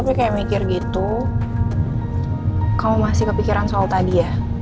kalau saya mikir gitu kamu masih kepikiran soal tadi ya